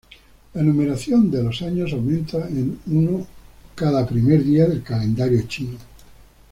La numeración de los años aumenta en uno cada primer día del calendario chino.